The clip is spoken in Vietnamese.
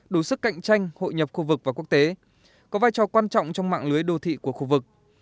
đủ sức cạnh tranh hội nhập khu vực và quốc tế có vai trò quan trọng trong mạng lưới đô thị của khu vực